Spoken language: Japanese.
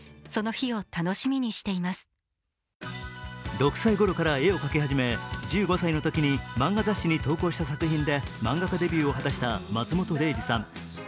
６歳ごろから絵を描き始め１５歳のときに漫画雑誌に投稿した作品で漫画家デビューを果たした松本零士さん。